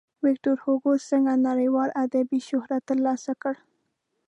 ویکتور هوګو څنګه نړیوال ادبي شهرت ترلاسه کړ.